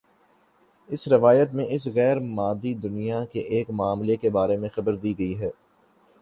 اس روایت میں اس غیر مادی دنیا کے ایک معاملے کے بارے میں خبردی گئی ہے